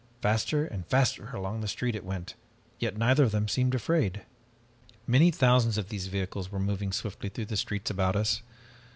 Faster and faster along the street it went, yet neither of them seemed afraid. "Many thousands of these vehicles were moving swiftly through the streets about us.